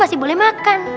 pasti boleh makan